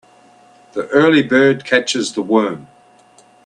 The early bird catches the worm.